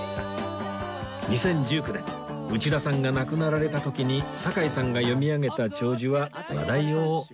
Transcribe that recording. ２０１９年内田さんが亡くなられた時に堺さんが読み上げた弔辞は話題を呼びました